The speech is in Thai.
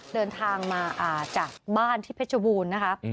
เดินทางมาจากบ้านที่เพชรบูรณ์นะคะ